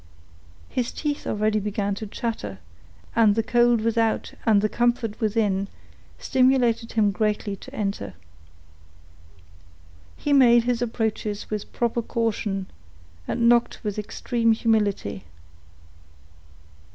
His teeth already began to chatter, and the cold without and the comfort within stimulated him greatly to enter. He made his approaches with proper caution, and knocked with extreme humility.